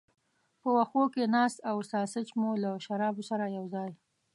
په وښو کې ناست او ساسیج مو له شرابو سره یو ځای.